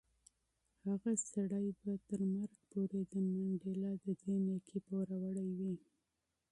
هغه سړی به تر مرګ پورې د منډېلا د دې نېکۍ پوروړی وي.